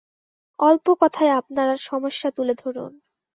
অল্প কথায় আপনার সমস্যা তুলে ধরুন।